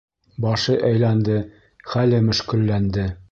Башы әйләнде, хәле мөшкөлләнде.